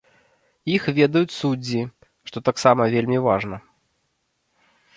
Іх ведаюць суддзі, што таксама вельмі важна.